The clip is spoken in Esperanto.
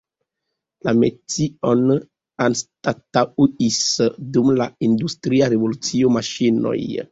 La metion anstataŭis dum la industria revolucio maŝinoj.